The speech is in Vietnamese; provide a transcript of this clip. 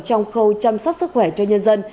trong khâu chăm sóc sức khỏe cho nhân dân